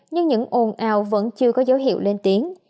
nhưng những ồn ào vẫn chưa có dấu hiệu lên tiếng